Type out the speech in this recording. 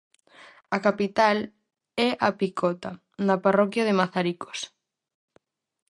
A capital é a Picota, na parroquia de Mazaricos.